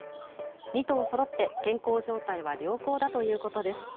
２頭そろって健康状態は良好だということです。